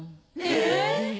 え！